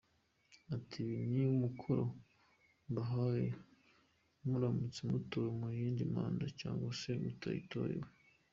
Ati “Ibi ni umukoro mbahaye, muramutse mutowe mu yindi manda cyangwa se mutayitorewe.